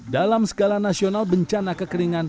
dalam skala nasional bencana kekeringan